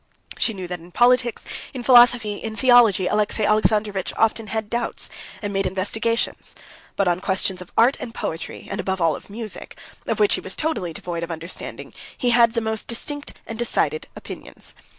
She knew that in politics, in philosophy, in theology, Alexey Alexandrovitch often had doubts, and made investigations; but on questions of art and poetry, and, above all, of music, of which he was totally devoid of understanding, he had the most distinct and decided opinions.